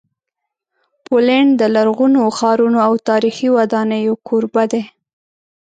پولینډ د لرغونو ښارونو او تاریخي ودانیو کوربه دی.